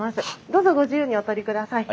どうぞご自由にお撮りください。